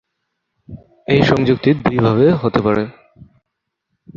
এ সংযুক্তি দুইভাবে হতে পারে।